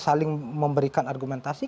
saling memberikan argumentasi